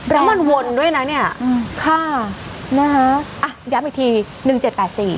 แล้วมันวนด้วยนะเนี้ยอืมค่ะนะฮะอ่ะย้ำอีกทีหนึ่งเจ็ดแปดสี่